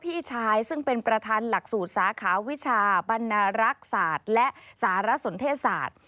พี่ชายซึ่งเป็นประธานหลักสูตรสาขาวิชาบรรณรักษาและสารสนเทศศาสตร์